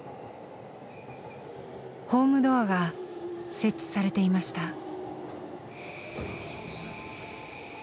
ホームドアが設置されていました。